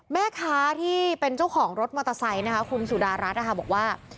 แม่ค้าที่เป็นเจ้าของรถมอเตอร์ไซต์คุณสุดารัสบอกว่า